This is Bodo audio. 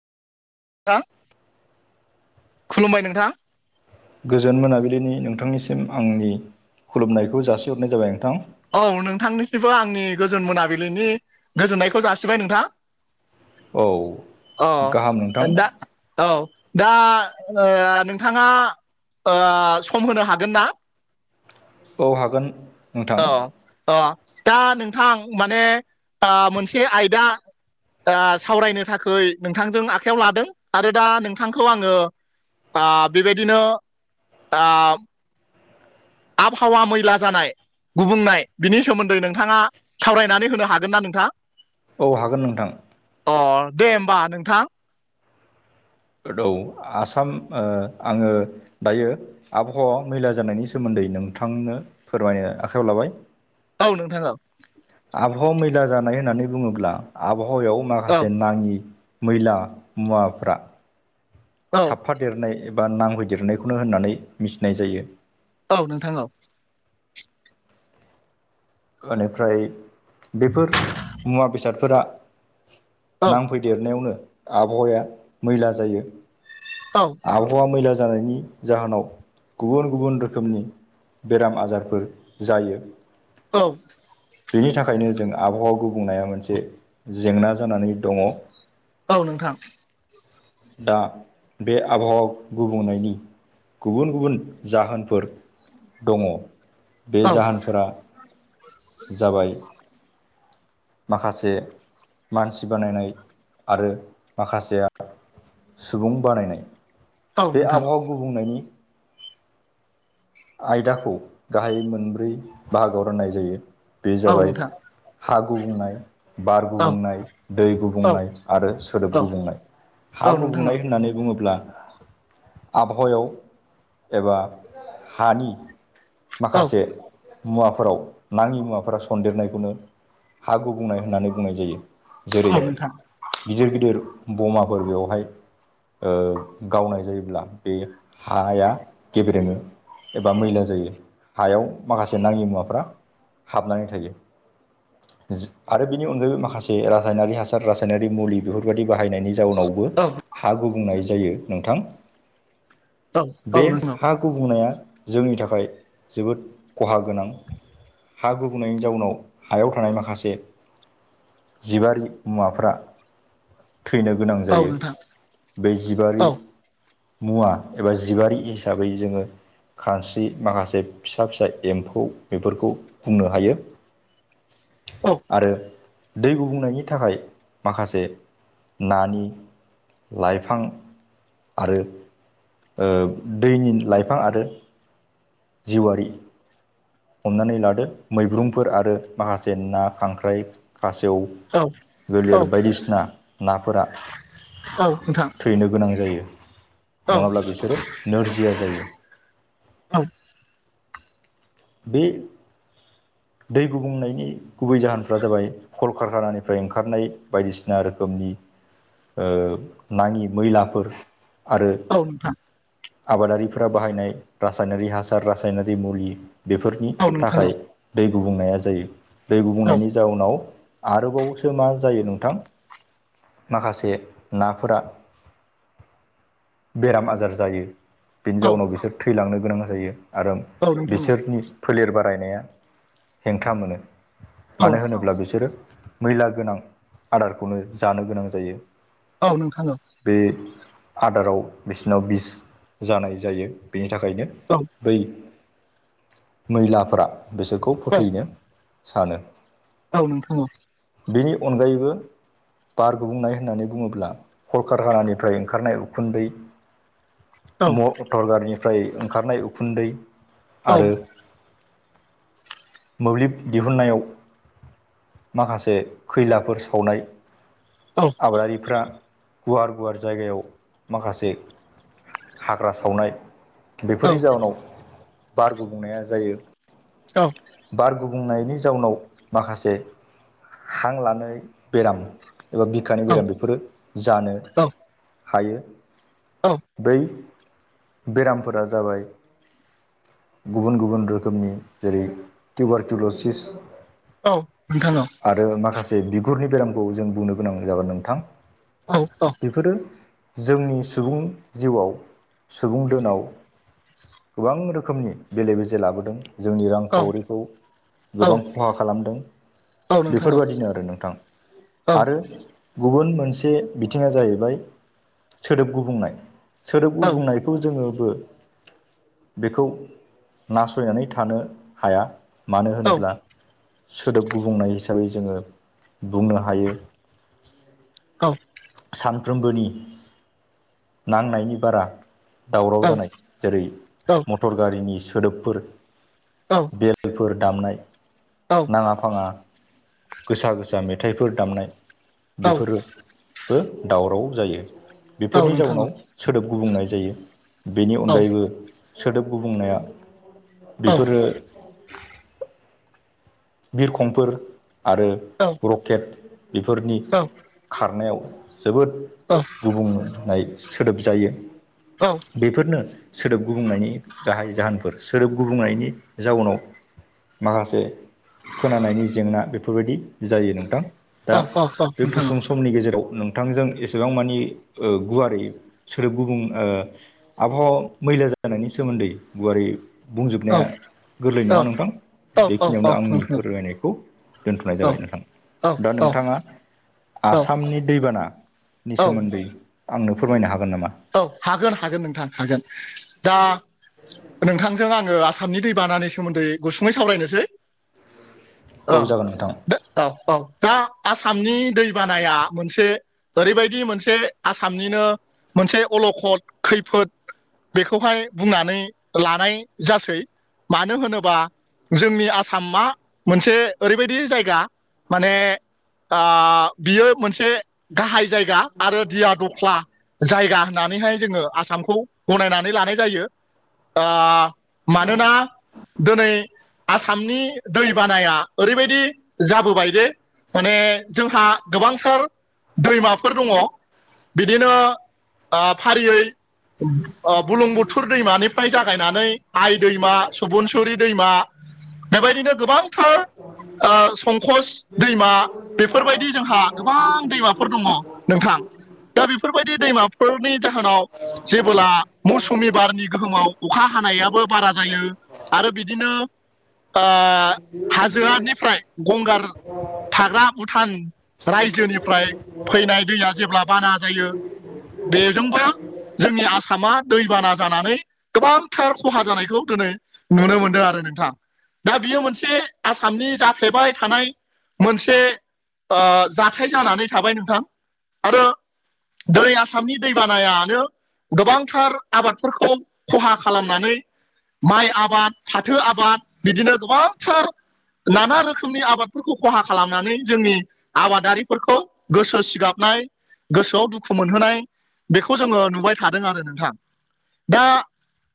नोंथां खुलुमबाय नोंथां गोजोन मोनाबिलिनि नोंथांनिसिम आंनि खुलुमनायखौ जासिहरनाय जाबाय नोंथां औ नोंथांनिसिमबो आंनि गोजोन मोनाबिलिनि गोजोननायखौ जासिबाय नोंथां औ अ गाहाम नोंथां दा औ दा ओ नोंथाङा ओ सम होनो हागोन ना औ हागोन नोंथां औ अ दा नोंथां माने ओ मोनसे आयदा सावरायनो थाखै नोंथांजों आखायाव लादों आरो दा नोंथांखौ आङो आ बेबायदिनो आ आबहावा मैला जानाय गुबुंनाय बिनि सोमोन्दै नोंथाङा सावरायनानै होनो हागोन ना नोंथां औ हागोन नोंथां अ दे होमबा नोंथां औ आसाम ओ आङो दायो आबहावा मैला जानायनि सोमोन्दै नोंथांनो फोरमायनो आखाइायाव लाबाय औ नोंथां औ आबहावा मैला जानाय होननानै बुङोब्ला आबहावायाव औ माखासे नाङि मैला मुवाफ्रा औ साबफादेरनाय एबा नांहैदेरनायखौनो होननानै मिथिनाय जायो औ नोंथां औ ओनिफ्राय बेफोर मुवा बेसादफोरा औ नांफैदेरनायावनो आबहावाया मैला जायो औ हावा मैला जानायनि जाहोनाव गुबुन गुबुन रोखोमनि बेराम आजारफोर जायो औ बेनि थाखायनो जों आबहावा गुबुंनाया मोनसे जेंना जानानै दङ औ नोंथां दा बे आबहावा गुबुंनायनि गुबुन गुबुन जाहोनफोर दङ बे औ जाहोनफोरा जाबाय माखासे मानसि बानायनाय आरो माखासेया सुबुं बानायनाय औ बे नोंथां आबहावा गुबुंनायनि आयदाखौ गाहाय मोनब्रै बाहागोआव राननाय जायो बे औ जाबाय नोंथां हा गुबुंनाय, बार औ गुबुंनाय, दै औ गुबुंनाय आरो औ सोदोब गुबुंनाय। औ हा नोंथां गुबुंनाय होननानै बुङोब्ला आबहावायाव एबा हानि औ माखासे मुवाफोराव नाङि मुवाफोरा सन्देरनायखौनो हा गुबुंनाय होननानै बुंनाय जायो। जेरै औ नोंथां गिदिर गिदिर बमाफोर बेवहाय गावनाय जायोब्ला बे हाया गेब्रेङो एबा मैला जायो हायाव माखासे नाङि मुवाफ्रा हाबनानै थायो। [unintelligible] आरो बिनि अनगायै माखासे रासायनारि हासार रासायनारि मुलि बेफोरबायाददि बाहायनायनि जाउनावबो औ हा गुबुंनाय जायो नोंथां। औ बे नोंथां हा गुबुंनाया जोंनि थाखाय जोबोद खहा गोनां। हा गुबुंनायनि जाउनाव हायाव थानाय माखासे जिबारि मुवाफ्रा थैनो गोनां औ नोंथां औ नोंथां औ जायो। नोंथां बे औ नोंथां औ जिबारि नोंथां औ मुवा एबा जिबारि हिसाबै जोङो खानस्रि माखासे फिसा फिसा एम्फौ बेफोरखौ बुंनो हायो। आरो दै गुबुंनायनि थाखाय माखासे नानि लाइफां आरो दैनि लाइफां आरो जिवारि हमनानै लादो मैब्रुंफोर आरो माखासे ना खांख्राइ खासेव गोलेर बायदिसिना नाफोरा थैनो गोनां जायो नङाब्ला बिसोरो नोरजिया जायो। बे दै गुबुंनायनि गुबै जाहोनफ्रा जाबाय कलकारखानानिफ्राय ओंखारनाय बायदिसिना रोखोमनि ओह नाङि मैलाफोर आरो औ नोंथां आबादारिफोरा बाहायनाय रासायनारि हासार रासायनारि मुलि बेफोर नि थाखाय औ औ दै गुबुंनाया जायो दै गुबुंनायनि औ जाउनाव आरोबावसो मा जायो नोंथां माखासे नाफोरा बेराम आजार जायो। बिनि जाउनाव बिसोर थैलांनो गोनां जायो आरो औ नोंथां बिसोरनि फोलेर बारायनाया हेंथा मोनो मानो होनोब्ला बिसोरो मैला गोनां आदारखौनो जानो गोनां जायो। औ नोंथां औ बे आदाराव बिसिनाव बिस जानाय जायो बेनि थाखायनो औ बै मैलाफोरा बिसोरखौ फोथैनो सानो। औ नोंथां औ बेनि अनगायैबो बार गुबुंनाय होननानै बुङोब्ला कलकारकानानिफ्राय ओंखारनाय उखुन्दै औ मटर गारिनिफ्राय ओंखारनाय उखुन्दै औ आरो मोब्लिब दिहुननायाव माखासे खैलाफोर सावनाय औ आबादारिफ्रा गुवार गुवार जायगायाव माखासे हाग्रा सावनाय बेफोरनि औ जाउोनाव बारगो बुंनाया जायो औ औ बार गुबुंनायनि जाउनाव माखासे हां लानाय बेराम एबा खानि बेराम बेफोरो जानो हायो बै बेरामफोरा जाबाय गुबुन गुबुन रोखोम रोखोमनि जेरै कउबारटिलजिस् औ नोंथां औ आरो माखासे बिगुरनि बेरामखौ जों बुंनो गोनां जागोन नोंथां औ औ बेफोरो जोंनि सुबुं जिउआव सुबुं दोनाव गोबां रोखोमनि बेले बेजे लाबोदों जोंनि औ रांखावरिखौ औ गोबां खहा खालामदों औ नोंथां औ बेफोरबादिनो आरो नोंथां औ आरो गुबुन मोनसे बिथिङा जाहैबाय सोदोब गुबुंनाय सोदोब औ गुबुंनायखौ जोङोबो बेखौ नास सैनानै थानो हाया मानो औ होनोब्ला सोदोब गुबनाय हिसाबै जोङो बुंनो हायो औ सानफ्रोमबोनि नांनायनि बारा दावराव जानाय औ जेरै मटर गारिनि सोदोबफोर औ बेलफोर दामनाय औ नाङा फाङा गोसा गोसा मेथाइफोर दामनाय औ बेफोरोबो दावराव जायो बेफोरनि नोंथां जाउनाव सोदोब गुबुंनाय जायो बेनि औ अनगायैबो सोदोब गुबुंनाया औ बेफोरो बिरखंफोर आरो रकेट बेफोरनि खारनायाव जोबोद गुबुंनाय सोदोब जायो औ बेफोरनो सोदोब गुबुंनायनि गाहाय जाहोनफोर सोदोब गुबुंनायनि जाउनाव माखासे खोनानायनि जेंना बेफोरबायदि जायो नोंथां औ दा औ नोंथां औ बे औ नोंथां औ गुसुं समनि गेजेराव नोंथांजों एसेबां मानि गुवारै सोदोब गुबुं आबहावा मैला जानायनि सोमोन्दै गुवारै बुंजोबनाया गोरलै नङा नोंथां बेखिनियावनो आंनि औ फोरमायनायखौ दोन्थ'नाय जाबाय नोंथां दा नोंथाङा आसामनि दैबानानि सोमोन्दै आंनो फोरमायनो हागोन नामा औ हागोन हागोन नोंथां हागोन दा नोंथांजों आङो आसामनि दैबानानि सोमोन्दै गुसुङै सावरायनोसै औ जागोन नोंथां दा औ औ दा आसामनि दैबानाया मोनसे ओरैबायदि मोनसे आसामनिनो मोनसे अलखद खैफोद बेखौहाय बुंनानै लानाय जासै मानो होनोबा जोंनि आसाम मा मोनसे ओरैबायदि जायगा माने ओ बियो मोनसे गाहाय जायगा आरो दिया दख्ला जायगा होननानैहाय जोङो आसामखौ गनायनानै लानाय जायो ओ मानोना दिनै आसामनि दै बानाया ओरैबायदि जाबोबाय दे माने जोंहा गोबांथार दैमाफोर दङ बिदिनो ओ फारियै बुलुं बुथुर दैमानिफ्राय जागायनानै आइ दैमा सुबुनसुरि दैमा बेबायदिनो गोबांथार ओ संकस दैमा बेफोरबायदि जोंहा गोबां दैमाफोर दङ। नोंथां [inaudible] दा बेफोरबायदि दैमाफोरनि जाहोनाव जेबोब्ला मौसुमि बारनि गोहोमाव अखा हानायाबो बारा जायो आरो बिदिनो ओ हाजोआनिफ्राय गंगार थाग्रा भुटान रायजोनिफ्राय फैनाय दैया जेब्ला बाना जायो बेजोंबो जोंनि आसामा दैबाना जानानै गोबांथार खहा जानायखौ दिनै नुनो मोनदों आरो नोंथां दा बियो मोनसे आसामनि जाफ्लेबाय थानाय मोनसे ओ जाथाय जानानै थाबाय नोंथां आरो दै आसामनि दै बानायानो गोबांथार आबादफोरखौ खहा खालामनानै माइ आबाद फाथो आबाद बिदिनो गोबांथार नाना रोखोमनि आबादफोरखौ खहा खालामनानै जोंनि आबादारिफोरखौ गोसो सिगाबनाय गोसोआव दुखु मोनहोनाय बेखौ जोङो नुबाय थादों आरो नोंथां दा